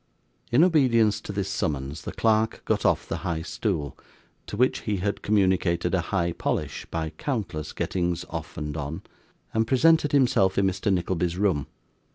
In obedience to this summons the clerk got off the high stool (to which he had communicated a high polish by countless gettings off and on), and presented himself in Mr. Nickleby's room.